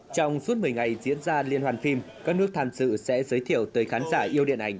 trong suốt một mươi ngày diễn ra liên hoàn phim các nước tham dự sẽ giới thiệu tới khán giả yêu điện ảnh